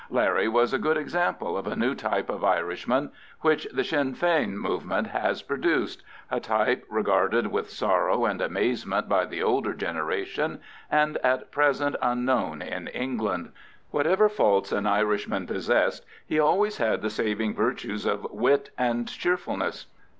Larry was a good example of a new type of Irishman which the Sinn Fein movement has produced—a type regarded with sorrow and amazement by the older generation, and at present unknown in England. Whatever faults an Irishman possessed, he always had the saving virtues of wit and cheerfulness.